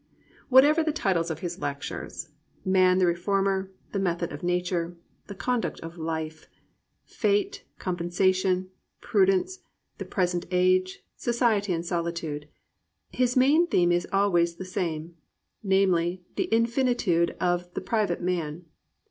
Whatever the titles of his lectures, — Man the Re jormer. The Method of Nature, The Conduct of Life, Fate, Compensation, Prudence, The Present Age, Society and Solitude, — ^his main theme is always the same, "namely the infinitude of the private man."